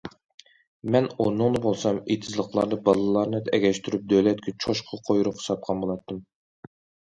مەن ئورنۇڭدا بولسام، ئېتىزلىقلاردا بالىلارنى ئەگەشتۈرۈپ دۆلەتكە چوشقا قۇيرۇقى ساتقان بولاتتىم.